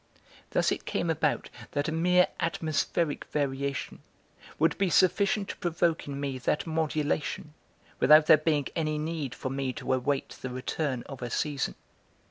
Thus it came about that a mere atmospheric variation would be sufficient to provoke in me that modulation, without there being any need for me to await the return of a season.